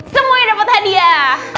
semuanya dapat hadiah